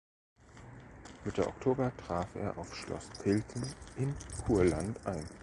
Mitte Oktober traf er auf Schloss Pilten in Kurland ein.